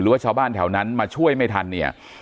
ว่าชาวบ้านแถวนั้นมาช่วยไม่ทันเนี่ย